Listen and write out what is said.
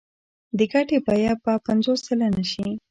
د ګټې بیه به پنځوس سلنه شي